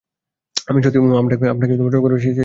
আমি সত্যিই, উম, আপনাকে সম্মান করি, শেফ, সবসময় করে এসেছি।